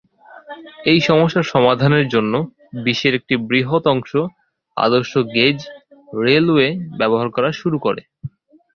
এই সমস্যার সমাধানের জন্য বিশ্বের একটি বৃহৎ অংশ আদর্শ-গেজ রেলওয়ে ব্যবহার করা শুরু করে।